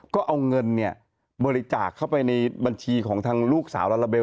ก็เอาเงินเนี่ยบริจาคเข้าไปในบัญชีของทางลูกสาวลาลาเบล